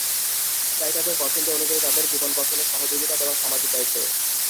তাই তাদের পছন্দ অনুযায়ী তাদের জীবন গঠনে সহযোগিতা দেওয়া সমাজের দায়িত্ব।